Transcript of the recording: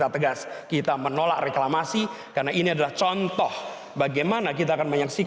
tetaplah di cnn indonesia prime news